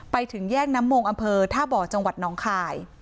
ไปถึงแยกน้ำมงอำเภอท่าบ่อจังหวัดน้องคาย